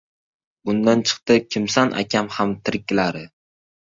Bundan chiqdi Kimsan akam ham tiriklar.